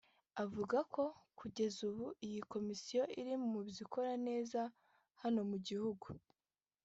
avuga ko kugeza ubu iyi Komisiyo iri muzikora neza hano mu gihugu